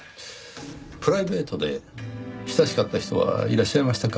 プライベートで親しかった人はいらっしゃいましたか？